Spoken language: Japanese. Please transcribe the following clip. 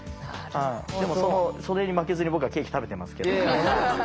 でもそれに負けずに僕はケーキ食べてますけど。